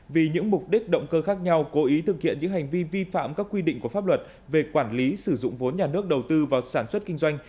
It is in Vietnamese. vì những mục đích động cơ khác nhau cố ý thực hiện những hành vi vi phạm các quy định của pháp luật về quản lý sử dụng vốn nhà nước đầu tư vào sản xuất kinh doanh